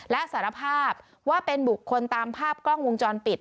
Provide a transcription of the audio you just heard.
และสารภาพว่าเป็นบุคคลตามภาพกล้องวงจรปิด